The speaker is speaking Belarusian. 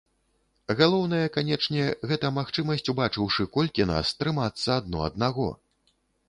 Галоўнае, канечне, гэта магчымасць, убачыўшы, колькі нас, трымацца адно аднаго.